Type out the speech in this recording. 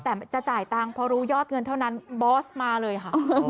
แต่จะจ่ายตังค์พอรู้ยอดเงินเท่านั้นบอสมาเลยค่ะ